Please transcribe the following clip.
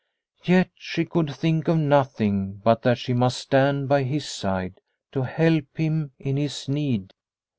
Yet she could think of nothing but that she must stand by his side to help him in his need.